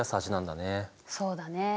そうだね。